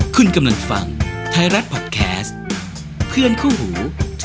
คุณกำลังฟังไทยรัฐพอดแคสต์เพื่อนคู่หู